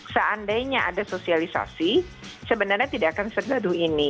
seandainya ada sosialisasi sebenarnya tidak akan segaduh ini